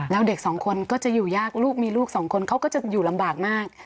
แล้วเด็กสองคนก็จะอยู่ยากลูกมีลูกสองคนเขาก็จะอยู่ลำบากมาก